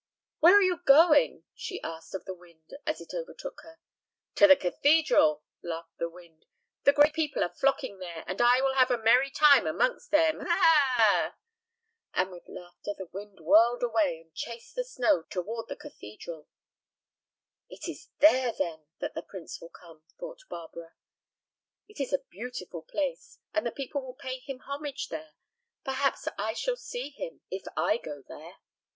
"Where are you going?" she asked of the wind as it overtook her. "To the cathedral," laughed the wind. "The great people are flocking there, and I will have a merry time amongst them, ha, ha, ha!" And with laughter the wind whirled away and chased the snow toward the cathedral. "It is there, then, that the prince will come," thought Barbara. "It is a beautiful place, and the people will pay him homage there. Perhaps I shall see him if I go there."